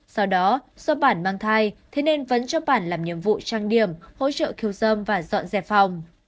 sau đó do bản mang thai thế nên vẫn cho bản làm nhiệm vụ trang điểm hỗ trợ khiêu dâm và dọn dẹp phòng